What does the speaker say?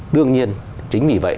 đương nhiên chính vì vậy